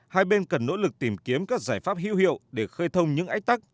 hai bên cần nỗ lực tìm kiếm các giải pháp hữu hiệu để khơi thông những ách tắc